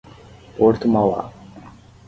Porto Mauá